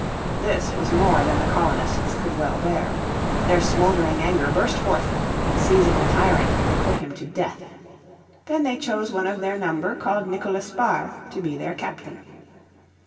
This was more than the colonists could well bear. Their smouldering anger burst forth, and seizing the tyrant they put him to death. Then they chose one of their number called Nicolas Barre to be their captain.